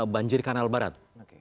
banjir kanal barat